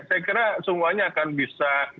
saya kira semuanya akan bisa